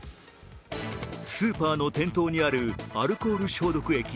スーパーの店頭にあるアルコール消毒液。